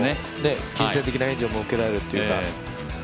金銭的な援助も受けられるっていうか。